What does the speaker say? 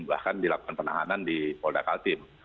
bahkan dilakukan penahanan di polda kaltim